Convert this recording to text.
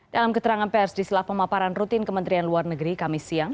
dalam keterangan pers di selah pemaparan rutin kementerian luar negeri kami siang